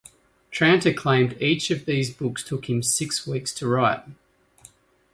Tranter claimed each of these books took him six weeks to write.